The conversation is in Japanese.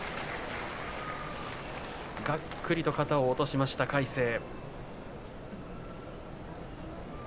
がっくりと肩を落としました魁聖。